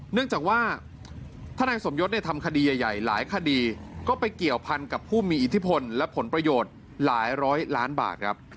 เนื่องจากว่าทนายสมยศทำคดีใหญ่หลายคดีก็ไปเกี่ยวพันกับผู้มีอิทธิพลและผลประโยชน์หลายร้อยล้านบาทครับ